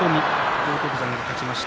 荒篤山、勝ちました。